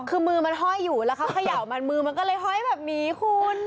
คือมือมันห้อยอยู่แล้วเขาเขย่ามันมือมันก็เลยห้อยแบบนี้คุณ